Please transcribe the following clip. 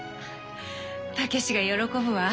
武志が喜ぶわ。